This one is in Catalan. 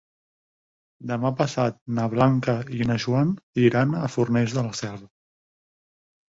Demà passat na Blanca i na Joana iran a Fornells de la Selva.